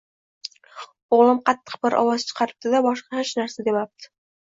O`g`lim qattiq bir ovoz chiqaribdi-da, boshqa hech narsa demabdi